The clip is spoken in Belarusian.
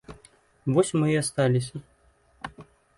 Вось мы і асталіся.